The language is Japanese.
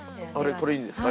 これいいんですか？